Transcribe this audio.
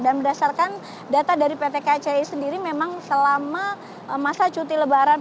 dan berdasarkan data dari pt kci sendiri memang selama masa cuti lebaran